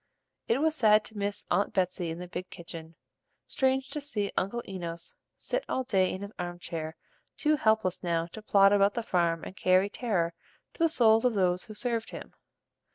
It was sad to miss Aunt Betsey in the big kitchen, strange to see Uncle Enos sit all day in his arm chair too helpless now to plod about the farm and carry terror to the souls of those who served him.